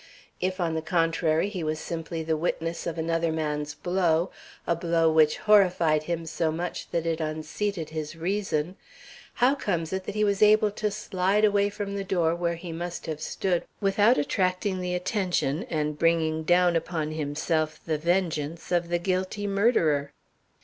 If, on the contrary, he was simply the witness of another man's blow a blow which horrified him so much that it unseated his reason how comes it that he was able to slide away from the door where he must have stood without attracting the attention and bringing down upon himself the vengeance of the guilty murderer?"